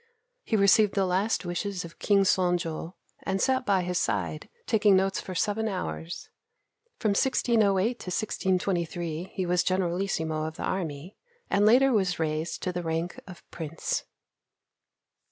He received the last wishes of King Son jo, and sat by his side taking notes for seven hours. From 1608 to 1623 he was generalissimo of the army, and later was raised to the rank of Prince.